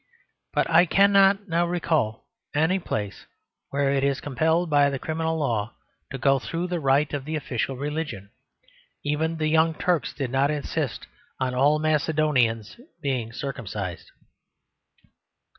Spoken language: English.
But I cannot now recall any place where it is compelled by the criminal law to go through the rite of the official religion. Even the Young Turks did not insist on all Macedonians being circumcised.